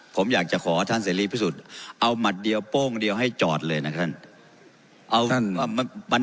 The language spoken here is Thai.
ผมอยากจะขอท่านเสรีพิสุทธิ์เอาหมัดเดียวโป้งเดียวให้จอดเลยนะครับท่าน